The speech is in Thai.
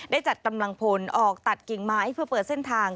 ได้จัดกำลังพลออกตัดกิ่งไม้เพื่อเปิดเส้นทาง